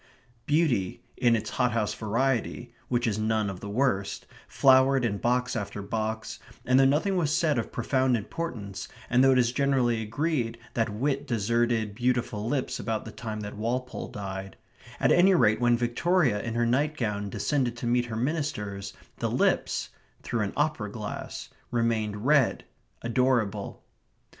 Beauty, in its hothouse variety (which is none of the worst), flowered in box after box; and though nothing was said of profound importance, and though it is generally agreed that wit deserted beautiful lips about the time that Walpole died at any rate when Victoria in her nightgown descended to meet her ministers, the lips (through an opera glass) remained red, adorable.